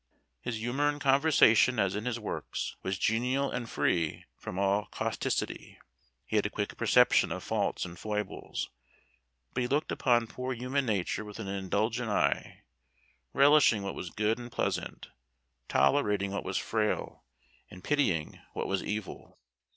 His humor in conversation, as in his works, was genial and free from all causticity. He had a quick perception of faults and foibles, but he looked upon poor human nature with an indulgent eye, relishing what was good and pleasant, tolerating what was frail, and pitying what was evil.